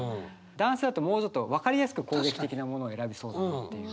男性だともうちょっと分かりやすく攻撃的なものを選びそうだっていう。